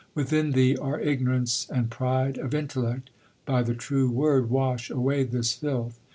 Within thee are ignorance and pride of intellect : by the true Word wash away this filth.